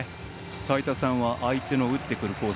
齋田さんは相手の打ってくるコース